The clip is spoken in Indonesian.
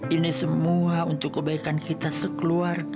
ini semua untuk kebaikan kita sekeluarga